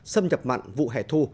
xâm nhập mặn vụ hẻ thu